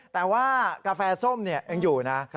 แต่ว่ากาแฟส้มยังอยู่นะ